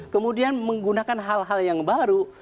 kemudian menggunakan hal hal yang baru